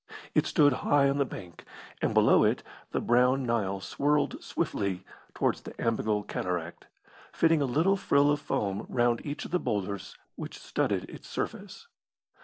It stood high on the bank, and below it the brown Nile swirled swiftly towards the Ambigole Cataract, fitting a little frill of foam round each of the boulders which studded its surface.